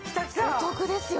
お得ですよ！